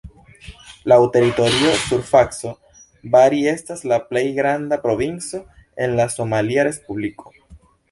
Laŭ teritoria surfaco, Bari estas la plej granda provinco en la somalia respubliko.